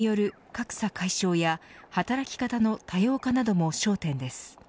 この他、性別による格差解消や働き方の多様化なども焦点です。